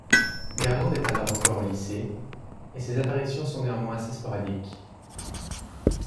Garland est alors encore au lycée et ses apparitions sont néanmoins assez sporadique.